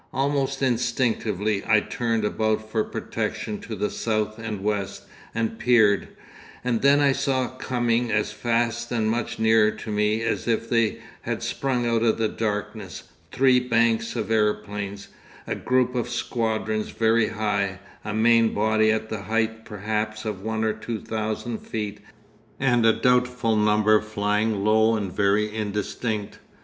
Almost instinctively I turned about for protection to the south and west, and peered; and then I saw coming as fast and much nearer to me, as if they had sprung out of the darkness, three banks of aeroplanes; a group of squadrons very high, a main body at a height perhaps of one or two thousand feet, and a doubtful number flying low and very indistinct.